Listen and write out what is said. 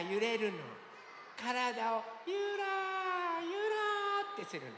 からだをゆらゆらってするの。